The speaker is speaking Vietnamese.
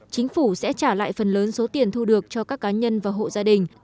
chính phủ sẽ trả lại phần lớn số tiền thu được cho các cá nhân và hộ gia đình